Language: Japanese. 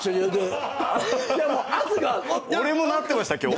俺もなってました今日。